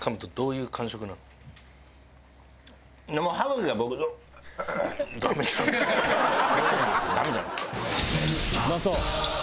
うまそう！